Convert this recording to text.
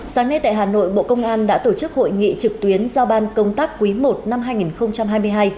sáng nay tại hà nội bộ công an đã tổ chức hội nghị trực tuyến giao ban công tác quý i năm hai nghìn hai mươi hai